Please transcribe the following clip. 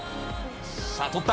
さあ、捕った。